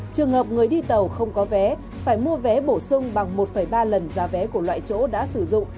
trường hợp người đi tàu không có vé phải mua vé bổ sung bằng một ba lần giá vé của loại chỗ đã sử dụng